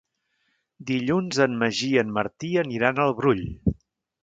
Dilluns en Magí i en Martí aniran al Brull.